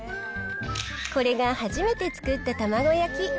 これが初めて作った卵焼き。